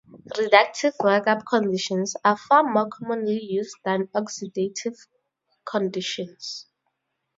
Reductive work-up conditions are far more commonly used than oxidative conditions.